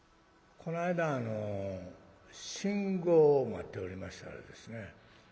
この間あの信号を待っておりましたらですね